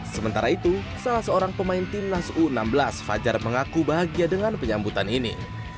sementara itu salah seorang pemain timnas u enam belas fajar mengaku bahagia dengan penyambutan ini